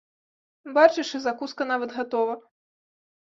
Бачыш, і закуска нават гатова!